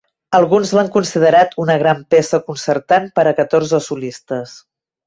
Alguns l'han considerat una gran peça concertant per a catorze solistes.